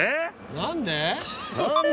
何で？